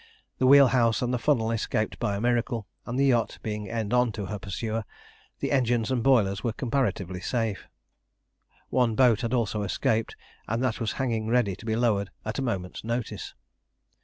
The wheel house and the funnel escaped by a miracle, and the yacht being end on to her pursuer, the engines and boilers were comparatively safe. One boat had also escaped, and that was hanging ready to be lowered at a moment's notice.